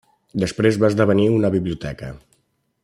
Després va esdevenir una biblioteca.